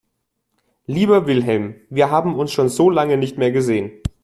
Lieber Wilhelm, wir haben uns schon so lange nicht mehr gesehen.